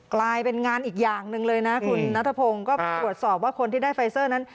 กลายเป็นงานอีกอย่างหนึ่งเลยนะคุณนัทพงศ์ก็ตรวจสอบว่าคนที่ได้ไฟเซอร์นั้น